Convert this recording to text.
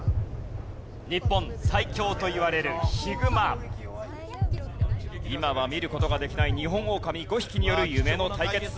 日本最強といわれるヒグマ今は見る事ができないニホンオオカミ５匹による夢の対決。